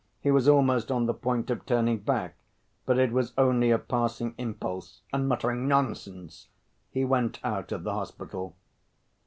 He was almost on the point of turning back, but it was only a passing impulse, and muttering, "Nonsense!" he went out of the hospital.